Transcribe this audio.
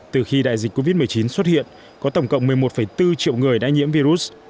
từ khi đại dịch covid một mươi chín xuất hiện có tổng cộng một mươi một bốn triệu người đã nhiễm virus